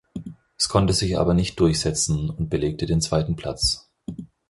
Es konnte sich aber nicht durchsetzen und belegte den zweiten Platz.